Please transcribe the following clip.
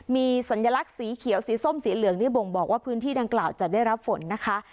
มีสัญลักษณ์สีเขียวสีส้มสีเหลืองนี่บ่งบอกว่าพื้นที่ดังกล่าวจะได้รับฝนนะคะ